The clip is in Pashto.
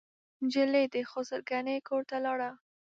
نجلۍ د خسر ګنې کورته لاړه.